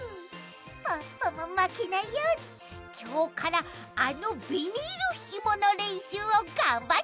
ポッポもまけないようにきょうからあのビニールひものれんしゅうをがんばっちゃいますよ！